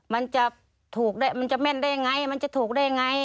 มันจะแม่นได้ไงมันจะถูกได้ไง